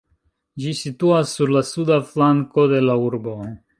Ĝi situas sur la suda flanko de la urbo.